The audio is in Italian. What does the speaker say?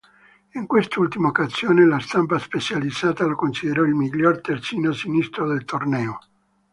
In quest'ultima occasione la stampa specializzata lo considerò il miglior terzino sinistro del torneo.